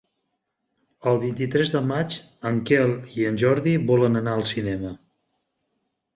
El vint-i-tres de maig en Quel i en Jordi volen anar al cinema.